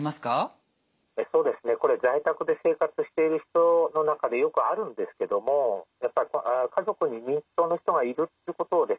これ在宅で生活している人の中でよくあるんですけどもやっぱり家族に認知症の人がいるってことをですね